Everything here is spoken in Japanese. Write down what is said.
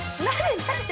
何？